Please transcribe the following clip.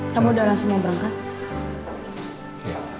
kamu udah langsung mau berangkat